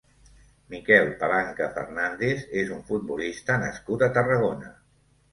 Miquel Palanca Fernández és un futbolista nascut a Tarragona.